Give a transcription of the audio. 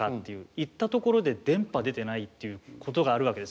行ったところで電波出てないっていうことがあるわけですもんね